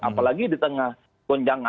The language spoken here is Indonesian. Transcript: apalagi di tengah konjangan yang